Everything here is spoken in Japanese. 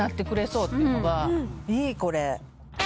いいこれ。